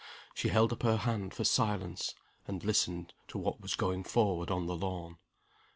She held up her hand for silence, and listened to what was going forward on the lawn.